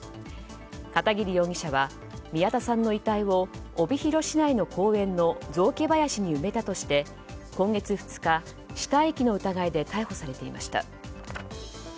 片桐容疑者は、宮田さんの遺体を帯広市内の公園の雑木林に埋めたとして今月２日、死体遺棄の疑いで逮捕されていました。